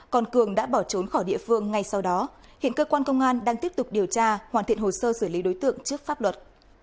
còn cường đã bỏ trốn khỏi địa phương ngay sau đó hiện cơ quan công an đang tiếp tục điều tra hoàn thiện hồ sơ xử lý đối tượng trước pháp luật